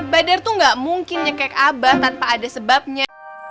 badar tuh gak mungkin nyekek abah tanpa ada sebabnya